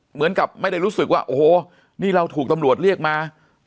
เหมือนกับไม่ได้รู้สึกว่าโอ้โหนี่เราถูกตำรวจเรียกมา